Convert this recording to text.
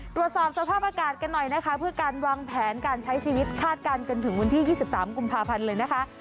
ตรวจสอบสภาพอากาศกันหน่อยนะคะเพื่อการวางแผนการใช้ชีวิตคาดการณ์กันถึงวันที่๒๓กุมภาพันธ์เลยนะคะ